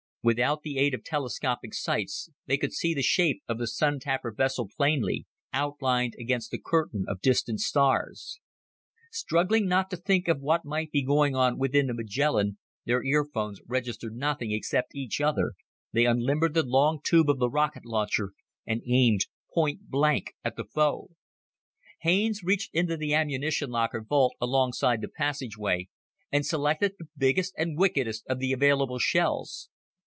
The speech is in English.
Without the aid of telescopic sights they could see the shape of the Sun tapper vessel plainly, outlined against the curtain of distant stars. Struggling not to think of what might be going on within the Magellan their earphones registered nothing except each other they unlimbered the long tube of the rocket launcher and aimed point blank at the foe. Haines reached into the ammunition locker vault alongside the passageway and selected the biggest and wickedest of the available shells.